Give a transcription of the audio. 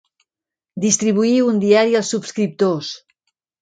Distribuir un diari als subscriptors.